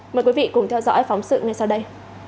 mời quý vị cùng theo dõi phóng sự ngay sau đây